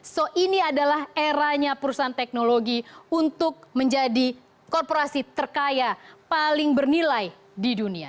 so ini adalah eranya perusahaan teknologi untuk menjadi korporasi terkaya paling bernilai di dunia